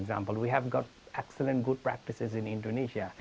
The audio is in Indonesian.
kita memiliki praktik yang bagus yang bagus di indonesia